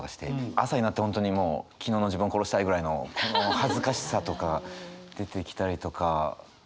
朝になって本当にもう昨日の自分を殺したいぐらいの恥ずかしさとか出てきたりとかありますし。